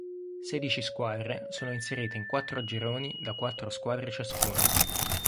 Sedici squadre sono inserite in quattro gironi da quattro squadre ciascuno.